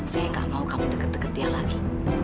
saya gak mau kamu deket deket dia lagi